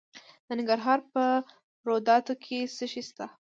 د ننګرهار په روداتو کې څه شی شته؟